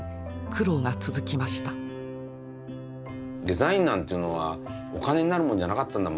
デザインなんていうのはお金になるものじゃなかったんだもん。